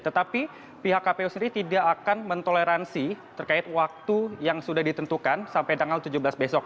tetapi pihak kpu sendiri tidak akan mentoleransi terkait waktu yang sudah ditentukan sampai tanggal tujuh belas besok